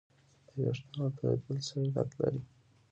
د وېښتانو تویدل څه علت لري